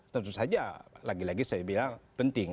tentu saja lagi lagi saya bilang penting